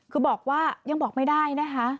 คือบอกว่ายังบอกไม่ได้นะคะ